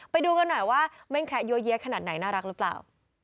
ไปดูกันหน่อยว่าแม่งแคระยัวเยี้ยขนาดไหนน่ารักหรือเปล่า